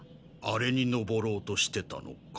あれに登ろうとしてたのか。